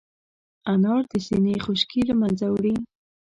انار د سينې خشکي له منځه وړي.